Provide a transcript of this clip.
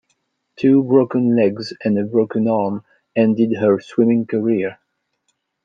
Two broken legs and a broken arm ended her swimming career.